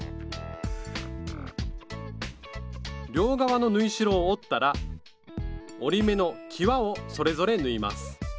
両側の縫い代を折ったら折り目のきわをそれぞれ縫います。